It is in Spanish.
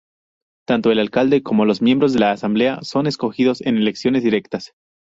Tanto el alcalde como los miembros de la asamblea son escogidos en elecciones directas.